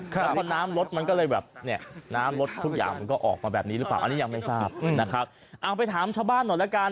แล้วพอน้ำรถมันก็เลยแบบเนี่ยน้ำรถทุกอย่างมันก็ออกมาแบบนี้หรือเปล่าอันนี้ยังไม่ทราบนะครับเอาไปถามชาวบ้านหน่อยละกัน